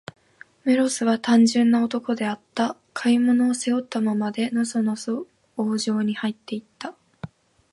メロスは、単純な男であった。買い物を、背負ったままで、のそのそ王城にはいって行った。